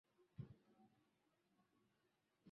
wimbi la siasa litapiga makasia mpaka kule zanzibar